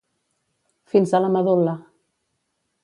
Fins a la medul·la.